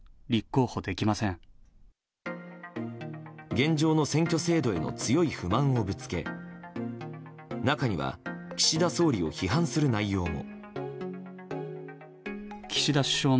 現状の選挙制度への強い不満をぶつけ中には岸田総理を批判する内容も。